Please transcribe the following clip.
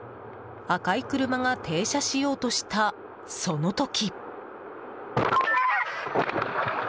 赤い車が停車しようとしたその時。